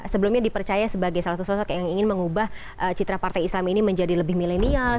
sebelumnya dipercaya sebagai salah satu sosok yang ingin mengubah citra partai islam ini menjadi lebih milenial